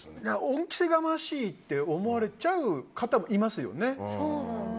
恩着せがましいって思われちゃう方もいますよね。